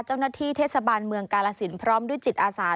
เจ้าหน้าที่เทศบาลเมืองกาลสินพร้อมด้วยจิตอาสา